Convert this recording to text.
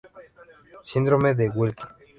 Síndrome de Wilkie.